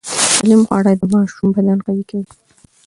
سالم خواړه د ماشوم بدن قوي کوي۔